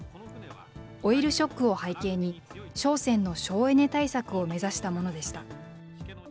オイルショックを背景に、商船の省エネ対策を目指したものでした。